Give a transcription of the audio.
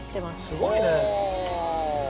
すごいね。